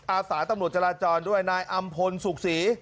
อาสาตำรวจจราจรด้วยนายอำพลสุขศรี